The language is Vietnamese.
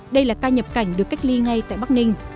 đây là ca nhập cảnh được cách ly ngay tại bắc ninh